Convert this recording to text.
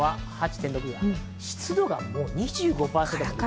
現在、湿度が２５％。